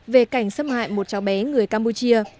về cảnh xâm hại một cháu bé người campuchia